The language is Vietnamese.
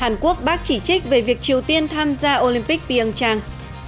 hàn quốc bác chỉ trích về việc triều tiên tham gia olympic pian